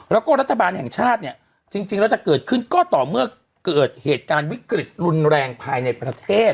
แล้วก็รัฐบาลแห่งชาติเนี่ยจริงแล้วจะเกิดขึ้นก็ต่อเมื่อเกิดเหตุการณ์วิกฤตรุนแรงภายในประเทศ